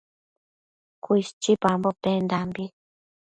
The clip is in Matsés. Cuishchipambo pendambi